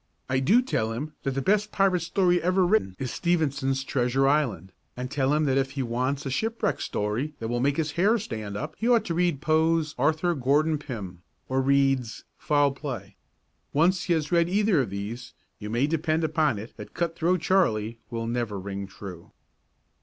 I do tell him that the best pirate story ever written is Stevenson's "Treasure Island" and tell him that if he wants a shipwreck story that will make his hair stand up he ought to read Poe's "Arthur Gordon Pym" or Reade's "Foul Play." Once he has read either of these, you may depend upon it that "Cut Throat Charley" will never ring true.